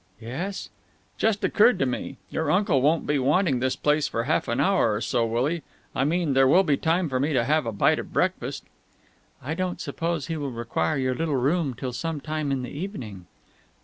"Yes?" "Just occurred to me. Your uncle won't be wanting this place for half an hour or so, will he? I mean, there will be time for me to have a bite of breakfast?" "I don't suppose he will require your little home till some time in the evening."